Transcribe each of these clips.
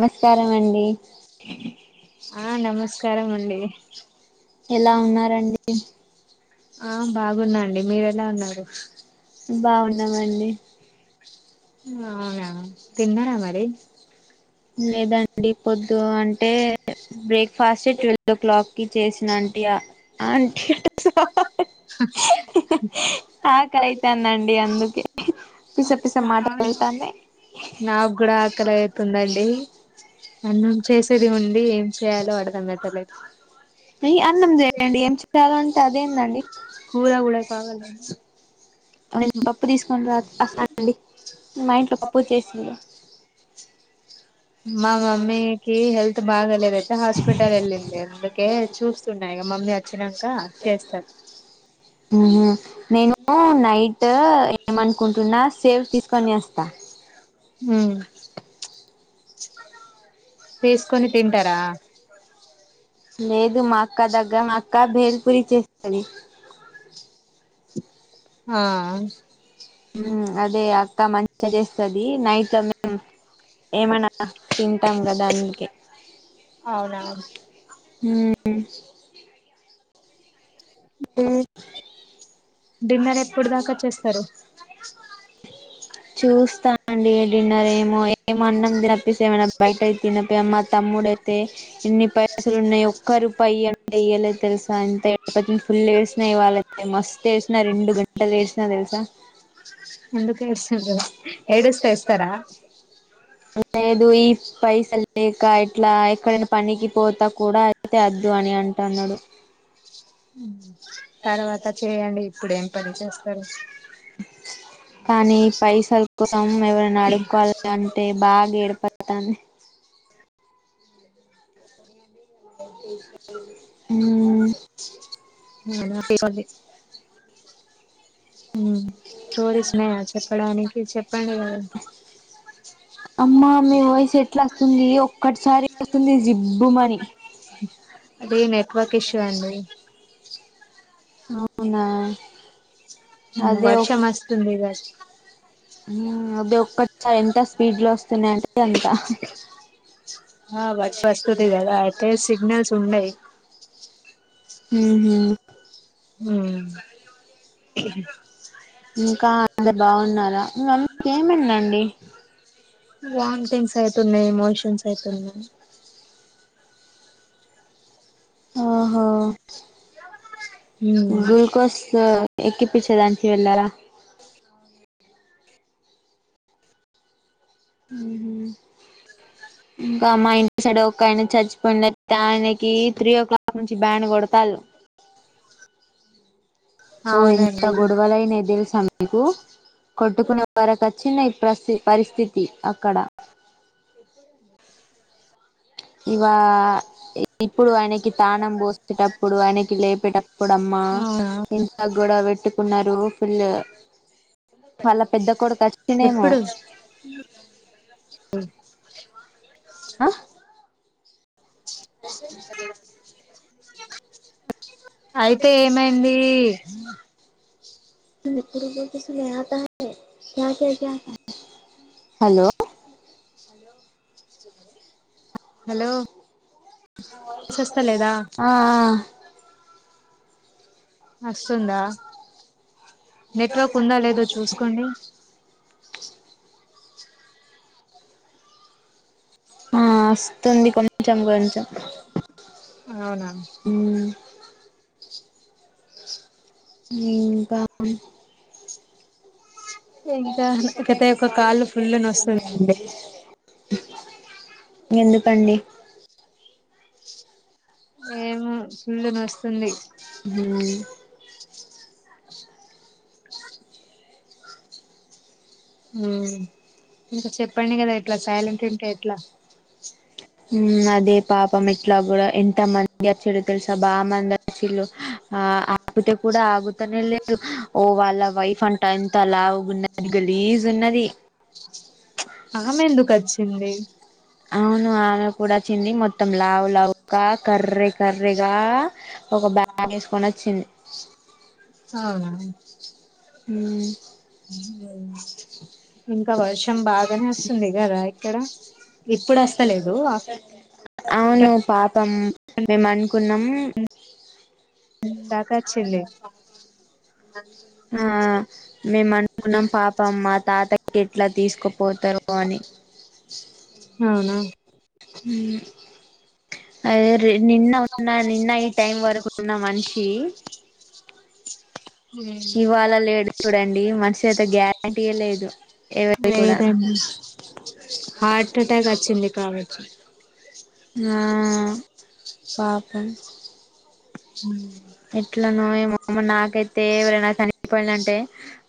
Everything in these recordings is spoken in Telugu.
నమస్కారం అండి ఆ నమస్కారం అండి. ఎలా ఉన్నారండి. ఆ బాగున్నాండి మీర ఎలా ఉన్నారు. బాగున్నామండి. అవునా తిన్నారా మరి. లేదండి పొద్దు అంటే. బ్రేక్ఫాస్ట్ ట్వెల్వ్ ఓ క్లాక్ కి చేసినంటి ఆంటి అట ఆకలియితానండి అందుకే పీస పీస మాటల్తానాయి నాకు కూడా ఆకలి అయితుందండి అన్నం చేసేది ఉంది ఏం చేయాలో అర్థమైతలే రి అన్నం చేయండి ఏం చేయలో అంటే అదేందండి కూర గుడ కాగేల పప్పు తీసుకొని రాస్తాండి మా ఇంట్లో పప్పు చేసి మా మమ్మీకి హల్త్ బాగాలేదైతే హాస్పిటల్ ఎల్లింది అందుకె చూస్తున్నాయిగా మమ్మీ వచినంక చేస్తాది నేను నైట్ ఏమణకుంటూన్నా సేవ్ తీసుకొని అస్తా ఉం తిసుకొని తింటారా లేదు మా అక్క దగ్గర మా అక్క బేల్ పరి చేస్తది ఆ అదే అక్క మంచిగా చేస్తుది నైట్ ఏమన్నా తింటాం గదా అనీటికి అవునా ఉం ఉం డిన్నర్ ఎప్పుడు దాకా చేస్తారు చూస్తానండి డిన్నర్ ఏమో ఎ ఏమ అన్నం తినప్పేస ఏమనా బయటయి తినప్పమ్ మా తమ్ముడైతే ఇన్ని పే అసలు ఉన్నాయి ఒక్క రూపాయి ఇయ్యి అంటే ఇయ్యలేదు తెలుసా ఎంత ఫుల్ ఏడ్చినా ఇవాళైతే మస్త్ ఏడ్చినా రెండు గంటలు ఏడ్చినా తెలుసా ఎందుకుఎడ్చిన్లు ఏడుస్తే ఇస్తస్తారా లేదు యి పైసలు లేక ఇట్లా ఎక్కడైనా పనికి పోతా కూడా అయితే వద్దు అని అంటు అన్నాడు తర్వాత చేయండి ఇప్పుడు ఎ పని చేస్తారు కానీ పైసలు కోసం ఎవరైనా అడుకోవాలి కాని బాగా ఏడుపాతనంది ఉం అ ఉ స్టోరీస్ ఉన్నాయా చెప్పడానికి చెప్పండి కదా అమ్మా మీ వయిస్ ఎట్లా వస్తుంది ఒక్కటిసారి వస్తుంది జిబ్బుమని అదే నెట్వర్క్ ఇష్యూ అండి అవునా అదే వర్షమస్తుది కదా అది ఒక్కటిసారి ఎంత స్పీడ్ లో వస్తున్నాయింటడి అంత ఆ వస్తుతి కదా అయితే సిగ్నల్స్ ఉండయి ఉం ఉం ఇంకా అందరూ బాగున్నారా మి మమ్మీకి ఏమైందండీ వామిటింగ్స్ అయితున్నాయి ఎమోషన్స్ అయితున్నాయి ఆహ గ్లుూకోస్ ఎక్కిప్పచ్చేదానికి వెళ్ళారా క ఉ ఇంకా మా ఇంటి సైడ్ ఒక్కాయన చచ్చిపోయిండు అయితే ఆయనకి త్రీ ఓ క్లాక్ నుంచి బ్యాండ్ కొడతాల్లు. ఓ ఎంత అవునండి గొడవలు అయినయి తెలుసా మీకు కొట్టుకునే వరకు అచ్చినయి ప్రసి పరిస్థితి అక్కడ. ఇవా ఇప్పుడు ఆయనకి తానం పోసేటప్పుడు, ఆయనకి లేపేట ప్పుడమ్మా అవునా గొడవ పెట్టుకున్నరు ఫుల్ వాళ్ళ పెద్ద కొడుకు అచ్చిండేమో ఇ ఆ [inaudible] అయితే ఏమైంది? పతే సమయం ఆత క కక హలో హలో హలో వస్తలేదా ఆ అస్తుందా నెట్వర్క్ ఉందా లేదో చూసుకోండి. ఆ అస్తుంది కొంచెం కొంచెం. అవునా హ్ ఇంకా ఇంకా నాకయితే ఒక కాళ్ళు ఫుల్ నొస్తుండే. ఎందుకండి? ఏమో ఫుల్లు నొస్తుంది. ఆ ఆ ఇంక చెప్పండి కదా ఇట్లా సైలెంట్ ఉంటే ఎట్లా. అదే పాపం ఇట్లా కూడా ఎంత మంది అచ్చుడు తెలుసా బామంది అచ్చిల్లు ఆ ఆపితే కూడా ఆగుతనే లేరు ఓ వాళ్ళ వైఫ్ అం ట ఇంత లావుగున్నది గలీజ్ ఉన్నది. అ అవును ఆ మె కూడా అచ్చింది మొత్తం లావు లావుగా కర్రే కర్రేగా ఒక బ్యాగ్ ఎసుకొని అచ్చింది. అవునా. హ్ [inaudible] ఇంకా వర్షం బాగనే వస్తుంది కదా ఇక్కడ, ఇప్పుడస్తలేదు. అవును పాపం మేం అనుకున్నం. తాకచ్చింది. ఆ మేం అనుకున్నం పాపం ఆ తాతకి ఎట్లా తీసుకపోతరో అని. అవునా అయర్ నిన్న ఉన్న నిన్న ఈ టైం వరకు ఉన్న మనిషి ఇవాళ లేడు చూడండి. మనిషయితే గ్యారంటీయే లేదు. ఎవర్ది కూడా. లేదండి హార్ట్ ఎటాక్ వచ్చింది కాచ్చ ఉ పాపం ఉ ఎట్లనో ఏమో నాకైతే ఎవరైనా చనిపోయిన అంటే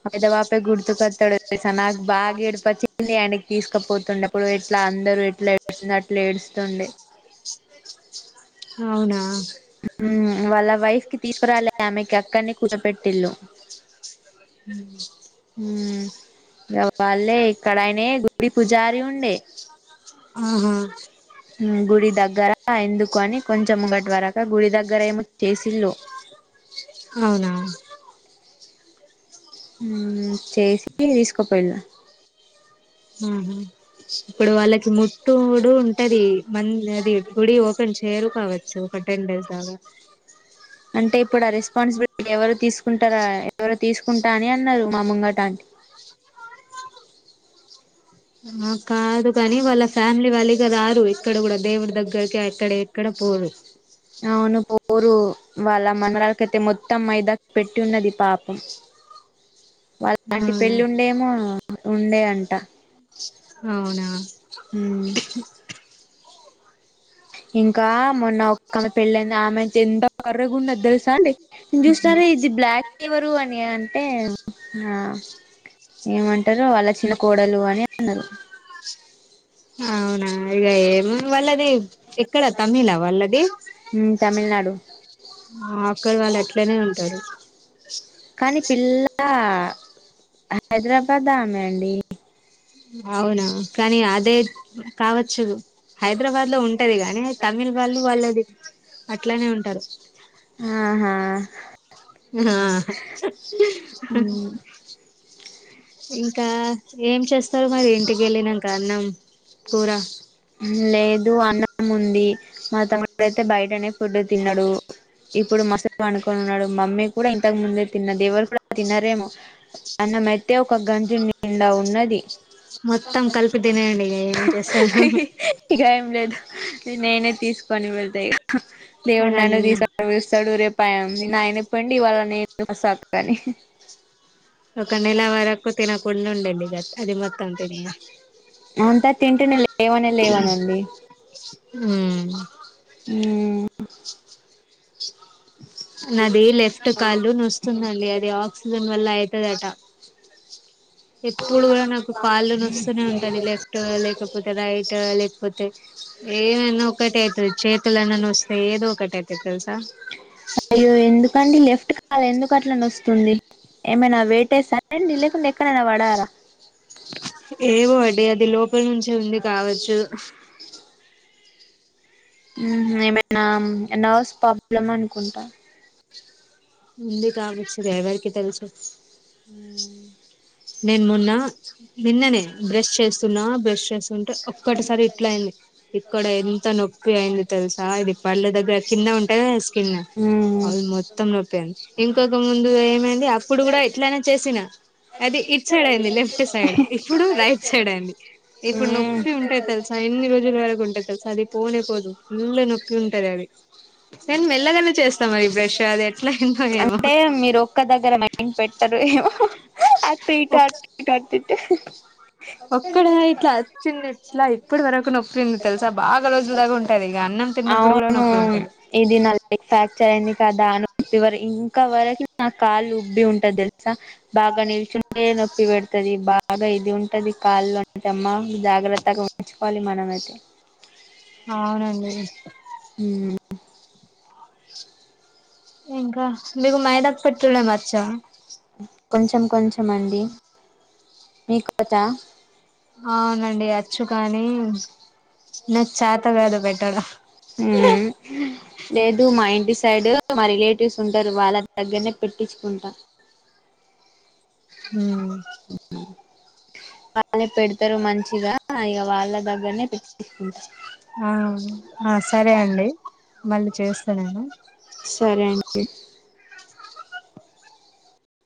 పదవాపే గుర్తుకొత్తాడు నాకు బాగా ఏడుపొచ్చి ఆయనకి తీసుకుపోతుండ ఇప్పుడు ఎట్లా అందరు ఎట్లా ఏడుస్తుంది అట్లా ఏడుస్తుండే అవునా ఉ వాళ్ల వైఫ్ కి తీసుకురాలే ఆమెకి అక్కడనే కూర్చోబెట్టి ఇల్లు ఉ ఉ వాళ్లే ఇక్కడైనే గుడి పూజారి ఉండే ఆహా ఉ గుడి దగ్గర ఎందుకు అని కొంచెం ముంగట వరక గుడి దగ్గర ఏమో చేసిల్లు అవునా ఉ చేసి తీసుకుపో వెళ్ళు ఉహు ఇప్పుడు వాళ్ళకి ముట్టుడు ఉంటది మంది అది గుడి ఓపెన్ చేరు కావచ్చు ఒక టెన్ డేస్ దాకా అంటే ఇప్పుడు ఆ రెస్పాన్సిబిలిటీ ఎవరు తీసుకుంటారా ఎవరు తీసుకుంటా అని అన్నారు మా ముంగట ఆంటీ ఆ కాదు కాని వాళ్ల ఫ్యామిలీ వాళ్ళీ క రారు ఇక్కడ కూడా దేవుడి దగ్గరకి అక్కడ ఎక్కడ పోరు అవును పోరు వాళ్ల మనరాలకైతే మొత్తం మైదా పెట్టి ఉన్నది పాపం వాళ్ల ఆంటీ అవునా పెళ్ళి ఉండేమో ఉండే అంట మీచ్ అవునా ఉ ఇంకా మొన్న ఒక ఆమె పెళ్ళంది ఆమె అంత ఎంతో కర్రీ గుండు తెలుసా అండి ఇది చూసినారా ఇది బ్లాక్ ఫీవర్ అని అ అంటే ఆ ఏమంటారు వాళ్ల చిన్న కోడలు అని అన్నారు అవునా ఇక ఏమో వాళ్లది ఎక్కడ తమిళ వాళ్ళది ఉ తమిళనాడు అక్కడ వాళ్లు అట్లనే ఉంటారు కానీ పిల్ల హైదరాబాద్ ఆమె అండి అవునా కానీ అదే కావచ్చు హైదరాబాద్ లో ఉంటది కానీ తమిళ్ వాళ్ళు వాళ్ళది అట్లానే ఉంటారు ఆహా ఆ ఇంకా ఏం చేస్తారు మరి ఇంటికి వెళ్ళినాక అన్నం కూర లేదు అన్నం ఉంది మా తమ్ముడు అయితే బయటనే ఫుడ్ తిన్నాడు ఇప్పుడు కాసేపు పడుకుని ఉన్నడు మమ్మీ కూడా ఇంతకు ముందే తిన్నది ఎవరు కూడా తినరేమో అన్నమైతే ఒక గంజిం నిండా ఉన్నది మొత్తం కలిపి తినేయండి ఇగ ఏం చేస్తారు [inaudible] ఇగ ఏం లేదు నేనే తీసుకొని వెళ్తా ఇగ దేవుడు అదన్ నన్ను తీసు లేసాడు రేపు నిన్న ఆయనే పోయిండు ఇవాళ నేను సక్కగాని ఒక నెల వరకు తినకుండా ఉండండి ఇగ అది మొత్తం అంత [inaudible] అంతా తింటే లేవనే లేవనండి మ్ మ్ నాది లెఫ్ట్ కాళ్ళు నొస్తుందండి అది ఆక్సిజన్ వల్ల అయితదట ఎప్పుడు గూడా నాకు కాళ్ళు నొస్తనే ఉంటాయి లే ఫ్టో లేకపోతే రైటో లేకపోతే ఏమైనా ఒకటైతది చేతులన్నా నొస్తయి ఏదో ఒకటి అయితది తెలుసా అయ్యో ఎందుకండి లెఫ్ట్ కాలు ఎందుకు అట్ల నొస్తుంది ఏమైనా వెయిట్ యేసారా అండి లేకుంటే ఎక్కడైనా బడ్డారా ఏమో అండి అది లోపల నుంచే ఉంది కావచ్చు మ్ ఏమైనా నర్వస్ ప్రాబ్లమ్ అనుకుంటా ఉంది కావచ్చు గా ఎవరికి తెలుసు మ్ నేను మొన్న నిన్ననే బ్రష్ చేస్తున్నా బ్రష్ చేస్తుంటే ఒక్కటిసారి ఇట్లా అయింది ఇక్కడ ఎంత నొప్పి అయింది తెలుసా ఇది పళ్ళ దగ్గర కింద ఉంటది గదా స్కిన్ అవు మొత్తం రొప్పయింది ఇంకొక ముందు ఏమైంది అప్పుడు గూడా ఇట్లానే చేసినా అదే ఇట్ సైడయింది లెఫ్ట్ సైడ్ ఇప్పుడు రైట్ సైడ్ అయింది ఇప్పుడు నొప్పి ఉంటాయి తెలుసా ఎన్ని రోజుల వరకు ఉంటాది తెలుసా అది పోనేపోదు ఫుల్ నొక్కిి ఉంటది అది నేను మెల్లగానే జేస్తా మరి బ్రెష్ అది ఎట్లాయిందో ఏమో అంటే మీరు ఒక్క దగ్గర మైండ్ పెట్టరు ఏమో అటు ఇటు అటు ఇటు అటు ఇటు [inaudible] ఒక్కడ ఇట్లా చిన్న ఇట్లా ఇప్పటి వరకు నొప్పి ఉంది తెలుసా బాగా రోజుల దాకా ఉంటది ఇక అన్నం తిన్నప్పుడు కూడా అవును నొప్పి ఉంటది ఇది న ది ఫ్రాక్చర్ అయింది కదా అను ఫివరు ఇంకా వరకు నా కాళ్ళు ఉబ్బి ఉంటది దె లుసా బాగా నిల్చుంటే నొప్పి పెడతది బాగా ఇది ఉంటది కాళ్లో అమ్మా జాగ్రత్తగా ఉంచుకోవాలి మనమైతే అవునండి మ్ ఇంకా మీకు మైదాకు పెట్టడం వచ్చా కొంచెం కొంచెం అండి మీకు వచ్చా అవునండి అచ్చు కానీ నాకు చేత కాదు పెట్టడం మ్ లేదు మా ఇంటి సైడ్ మా రిలేటివ్స్ ఉంటరు వాళ్ళ దగ్గరనే పెట్టించుకుంటా మ్ వాళ్ళే పెడతరు మంచిగా ఇగ వాళ్ళ దగ్గరనే పెట్టించుకుంటా ఆ ఆ సరే అండి మళ్ళీ చేస్త నేను సరే అండి